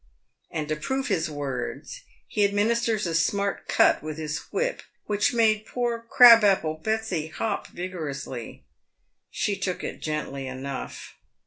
And to prove his words he adminis tered a smart cut with his whip, which made poor Crab apple Betsy hop vigorously. She took it gently enough.